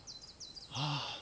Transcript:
ああ。